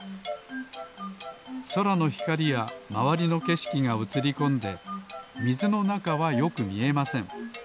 そらのひかりやまわりのけしきがうつりこんでみずのなかはよくみえません。